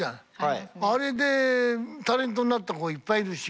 あれでタレントになった子がいっぱいいるし。